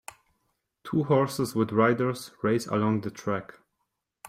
two horses with riders, race along the track.